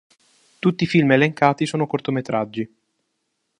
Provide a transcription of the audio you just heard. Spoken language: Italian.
Tutti i film elencati sono cortometraggi.